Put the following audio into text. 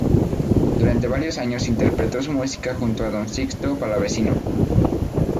Durante varios años interpretó su música junto a don Sixto Palavecino.